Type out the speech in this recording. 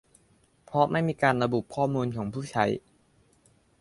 เพราะไม่มีการระบุข้อมูลของผู้ใช้